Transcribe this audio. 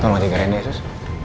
tolong jagain deh sus